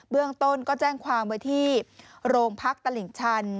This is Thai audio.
เรื่องต้นก็แจ้งความไว้ที่โรงพักตลิ่งชัน